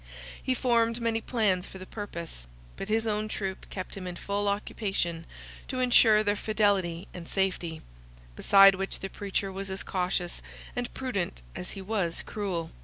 He formed many plans for the purpose; but his own troop kept him in full occupation to ensure their fidelity and safety; beside which the preacher was as cautious and prudent, as he was cruel.